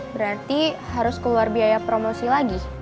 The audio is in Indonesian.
berarti harus keluar biaya promosi lagi